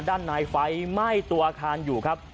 ด้านในไฟไหม้ตัวอาคารอยู่ครับ